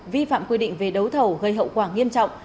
vi phạm quy định về đấu thầu gây hậu quả nghiêm trọng